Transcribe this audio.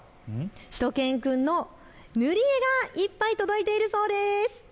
しゅと犬くんの塗り絵がいっぱい届いているそうです。